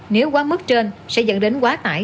nếu quá mức trên sẽ dẫn đến quá tải